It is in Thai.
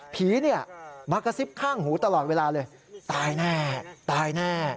ผีเนี่ยมากระซิบข้างหูตลอดเวลาเลยตายแน่ตายแน่